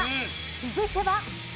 続いては。